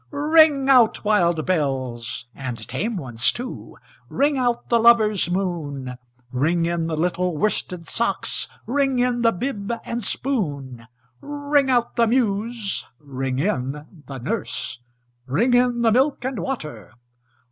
Ring out, wild bells, and tame ones too! Ring out the lover's moon! Ring in the little worsted socks! Ring in the bib and spoon! Ring out the muse! ring in the nurse! Ring in the milk and water!